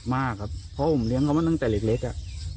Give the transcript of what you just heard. มากครับเพราะผมเลี้ยงเขามาตั้งแต่เล็กอ่ะ